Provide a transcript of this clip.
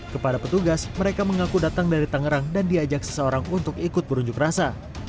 kepada petugas mereka mengaku datang dari tangerang dan diajak seseorang untuk ikut berunjuk rasa